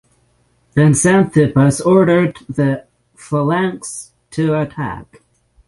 Then Xanthippus ordered the phalanx to attack.